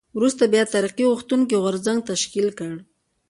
وروسته بیا ترقي غوښتونکی غورځنګ تشکیل کړ.